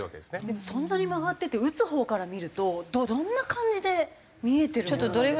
でもそんなに曲がってて打つほうから見るとどんな感じで見えてるものなんですか？